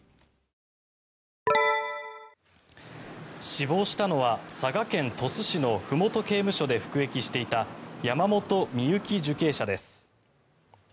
死亡したのは佐賀県鳥栖市の麓刑務所で服役していた山本美幸受刑者です。